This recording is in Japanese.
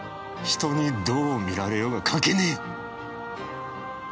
人にどう見られようが関係ねえ！